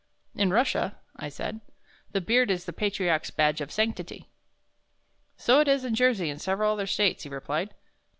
"In Russia," I said, "the beard is the patriarch's badge of sanctity." "So it is in Jersey and several other States," he replied.